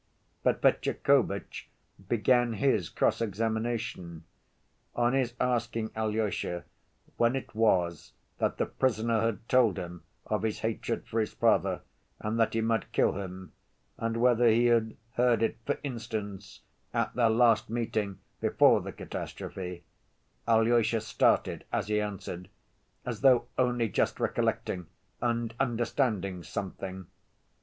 But Fetyukovitch began his cross‐examination. On his asking Alyosha when it was that the prisoner had told him of his hatred for his father and that he might kill him, and whether he had heard it, for instance, at their last meeting before the catastrophe, Alyosha started as he answered, as though only just recollecting and understanding something.